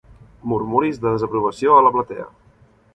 Murmuris de desaprovació a la platea.